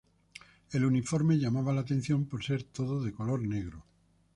El uniforme llamaba la atención por ser todo de color negro.